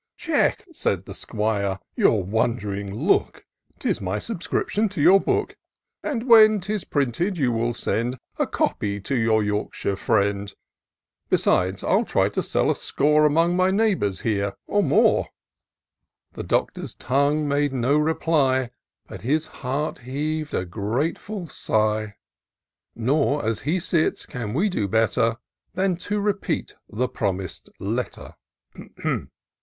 " Check," said the 'Squire, " your wond'ring looi 'Tis my subscription to your book ; And when 'tis printed, you will send A copy to your Yorkshire friend; Besides, I'll try to sell a score Among my neighbours here, or more." The Doctor's tongue made no reply, But his heart heav'd a grateful sigh; Nor, as he sits, can we do better Than to repeat the promis'd letter.